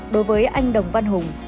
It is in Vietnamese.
đối với anh đồng văn hùng